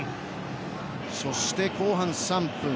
そして、後半３分。